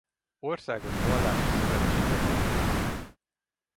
Országos Vallási Szövetségbe tömöríti.